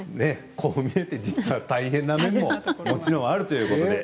こう見えて実は大変な面ももちろんあるということなんですね。